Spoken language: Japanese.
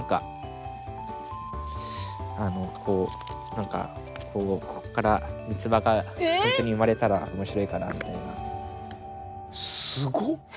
何かこうここから三つ葉がほんとに生まれたら面白いかなみたいな。